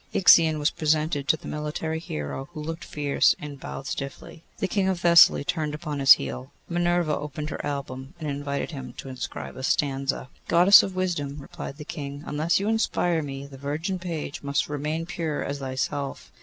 Ixion was presented to the military hero, who looked fierce and bowed stiffly. The King of Thessaly turned upon his heel. Minerva opened her album, and invited him to inscribe a stanza. 'Goddess of Wisdom,' replied the King, 'unless you inspire me, the virgin page must remain pure as thyself.